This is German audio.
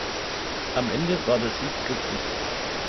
Am Ende war der Sieg glücklich.